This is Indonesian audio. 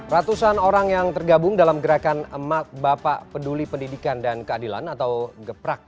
ratusan orang yang tergabung dalam gerakan emak bapak peduli pendidikan dan keadilan atau geprak